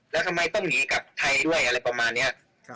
แล้วทำไมต้องหนีกลับไทยด้วยอะไรประมาณนี้